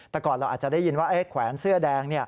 แต่ก่อนเราอาจจะได้ยินว่าแขวนเสื้อแดง